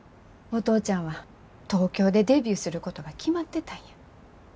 お父ちゃんは東京でデビューすることが決まってたんや。